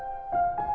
amir kasihan parkurnya